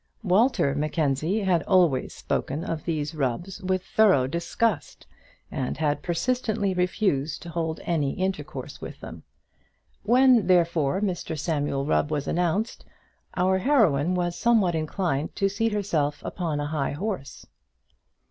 Walter Mackenzie had always spoken of these Rubbs with thorough disgust, and had persistently refused to hold any intercourse with them. When, therefore, Mr Samuel Rubb was announced, our heroine was somewhat inclined to seat herself upon a high horse.